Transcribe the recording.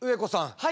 はい。